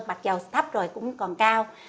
mặc dù thấp rồi cũng còn cao